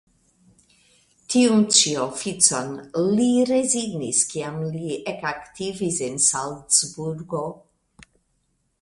Tiun ĉi oficon li rezignis kiam li ekaktivis en Salcburgo.